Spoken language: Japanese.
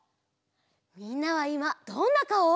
みんなはいまどんなかお？